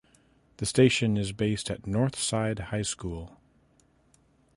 The station is based at Northside High School.